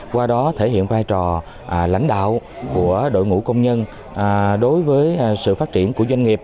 qua đó thể hiện vai trò lãnh đạo của đội ngũ công nhân đối với sự phát triển của doanh nghiệp